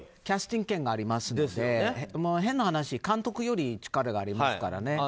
キャスティング権がありますので、変な話監督より力がありますからね。